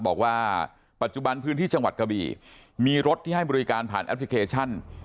บอกว่าปัจจุบันพื้นที่จังหวัดกะบี่มีรถที่ให้บริการผ่านแอปพลิเคชัน